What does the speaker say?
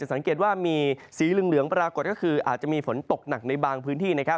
สังเกตว่ามีสีเหลืองปรากฏก็คืออาจจะมีฝนตกหนักในบางพื้นที่